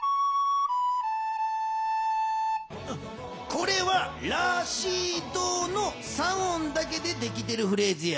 これは「ラシド」の３音だけでできてるフレーズや。